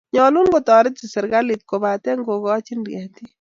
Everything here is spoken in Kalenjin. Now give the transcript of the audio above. nyalun kotareti serekalit kabatik kokajin ketik